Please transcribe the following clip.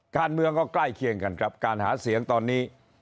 การเมืองก็ใกล้เคียงกันครับการหาเสียงตอนนี้